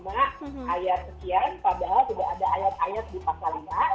ayat sekian padahal sudah ada ayat ayat di pasal lima